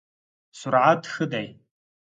سرعت ښه دی؟